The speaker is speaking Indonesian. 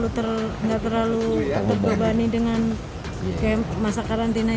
jadi ya kita nggak terlalu tergobani dengan kayak masa karantina ini